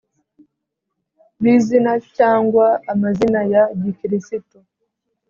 b Izina cyangwa amazina ya gikirisitu